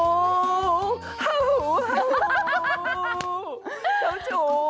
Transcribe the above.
เจ้าชู